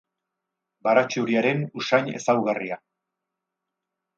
Baratxuriaren usain ezaugarria.